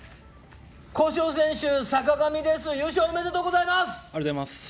古性選手、優勝おめでとうございます！